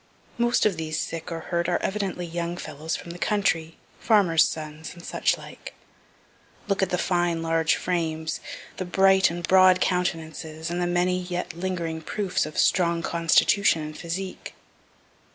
Most of these sick or hurt are evidently young fellows from the country, farmers' sons, and such like. Look at the fine large frames, the bright and broad countenances, and the many yet lingering proofs of strong constitution and physique.